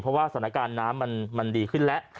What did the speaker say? เพราะว่าสถานการณ์น้ำมันดีขึ้นแล้ว